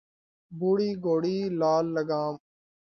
بوڑھی گھوڑی لال لگام